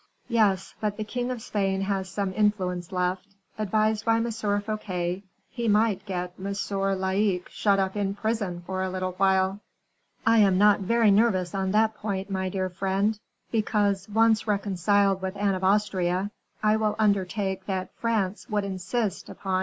"Yes, but the king of Spain has some influence left; advised by M. Fouquet, he might get M. Laicques shut up in prison for a little while." "I am not very nervous on that point, my dear friend; because, once reconciled with Anne of Austria, I will undertake that France would insist upon M.